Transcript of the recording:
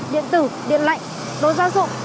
điện tử điện lạnh đồ giao dụng